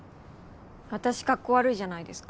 私かっこ悪いじゃないですか。